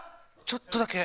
ちょっとだけ。